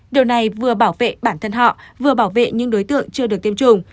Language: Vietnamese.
điều này vừa bảo vệ bản thân họ vừa bảo vệ những đối tượng chưa được tiêm chủng